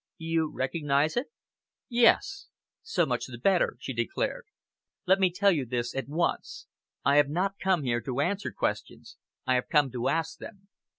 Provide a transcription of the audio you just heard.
"You recognize it?" "Yes!" "So much the better!" she declared. "Let me tell you this at once. I have not come here to answer questions. I have come to ask them.